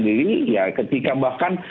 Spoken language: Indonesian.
diri ya ketika bahkan